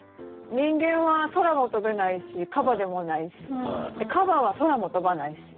人間は空も飛べないしカバでもないしカバは空も飛ばないし。